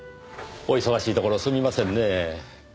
お忙しいところすみませんねぇ。